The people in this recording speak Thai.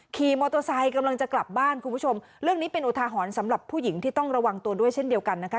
ขี่มอเตอร์ไซค์กำลังจะกลับบ้านคุณผู้ชมเรื่องนี้เป็นอุทาหรณ์สำหรับผู้หญิงที่ต้องระวังตัวด้วยเช่นเดียวกันนะคะ